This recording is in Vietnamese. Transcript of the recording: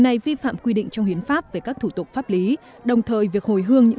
đó là bất hợp quy định trong huyến pháp về các thủ tục pháp lý đồng thời việc hồi hương những